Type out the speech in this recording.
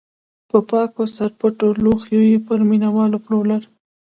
په پاکو سرپټو لوښیو یې پر مینه والو پلورل.